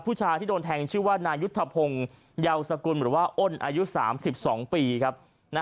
ผู้ชายที่โดนแทงชื่อว่านายุทธพงศ์เยาวสกุลหรือว่าอ้นอายุ๓๒ปีครับ